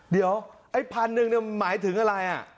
เดี๋ยวไอ้พันธุ์หนึ่งเนี่ยหมายถึงอะไรอ่ะ